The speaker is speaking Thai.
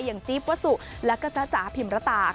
อย่างจีปวัสสุและแจ๊กจ๊าพิมศ์ระตา